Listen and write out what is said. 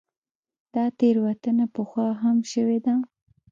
دا تېروتنه پخوا هم شوې ده.